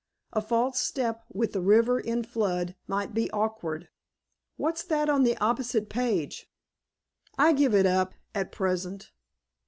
A false step, with the river in flood, might be awkward." "What's that on the opposite page?" "I give it up—at present."